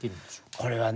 これはね